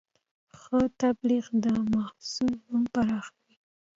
ښه تبلیغ د محصول نوم پراخوي.